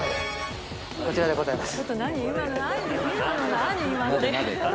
こちらでございます。